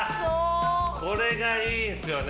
これがいいんすよね。